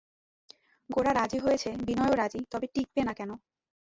গোরা রাজি হয়েছে, বিনয়ও রাজি, তবে টিঁকবে না কেন?